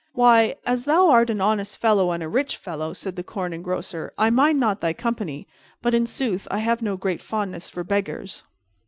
"Why, as thou art an honest fellow and a rich fellow," said the Corn Engrosser, "I mind not thy company; but, in sooth, I have no great fondness for beggars."